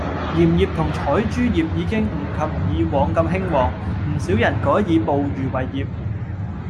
鹽業同採珠業已經唔及以往咁興旺，唔少人改以捕漁為業